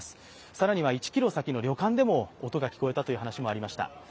更には１ｋｍ先の旅館でも音が聞こえたという話もありました。